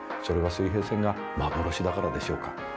それは水平線が幻だからでしょうか。